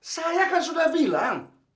saya kan sudah bilang